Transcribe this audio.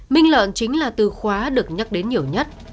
minh lợn chính là từ khóa được nhắc đến nhiều nhất